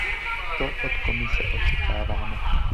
To od Komise očekáváme.